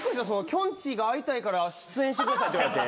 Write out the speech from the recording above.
きょんちぃが会いたいから出演してくださいって言われて。